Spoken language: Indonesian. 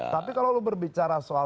tapi kalau lo berbicara soal